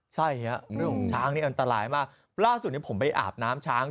ใช่ช้างนี้อันตรายมากล่าสุดนี้ผมไปอาบน้ำช้าง